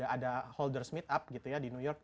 ada holders meet up gitu ya di new york